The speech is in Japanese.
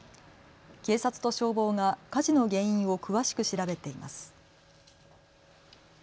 警察と消防が火事の原因を詳しく調べています。